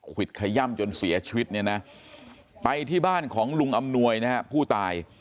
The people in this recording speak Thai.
วิดขย่ำจนเสียชีวิตเนี่ยนะไปที่บ้านของลุงอำนวยนะฮะผู้ตาย